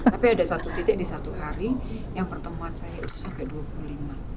tapi ada satu titik di satu hari yang pertemuan saya itu sampai dua puluh lima